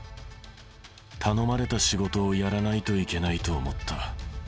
頼まれた仕事をやらないといけないと思った。